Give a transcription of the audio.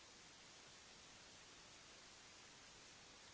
เมื่อเวลาอันดับสุดท้ายมันกลายเป็นภูมิที่สุดท้าย